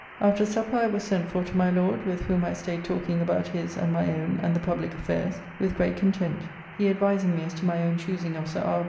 After supper I was sent for to my Lord, with whom I staid talking about his, and my owne, and the publique affairs, with great content, he advising me as to my owne choosing of Sir R.